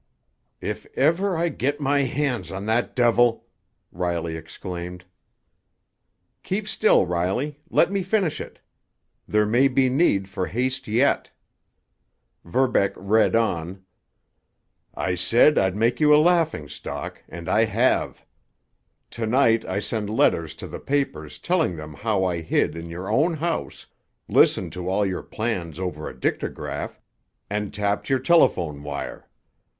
"If ever I get my hands on that devil——" Riley exclaimed. "Keep still, Riley—let me finish it! There may be need for haste yet." Verbeck read on: "I said I'd make you a laughingstock, and I have. To night I send letters to the papers telling them how I hid in your own house, listened to all your plans over a dictograph, and tapped your telephone wire.